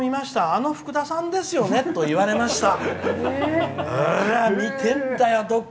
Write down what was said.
あの、ふくださんですよねと言われました」。